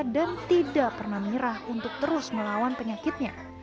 dan tidak pernah menyerah untuk terus melawan penyakitnya